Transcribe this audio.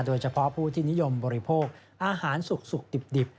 โดยเฉพาะผู้ที่นิยมบริโภคอาหารสุกดิบ